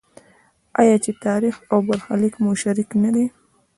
آیا چې تاریخ او برخلیک مو شریک نه دی؟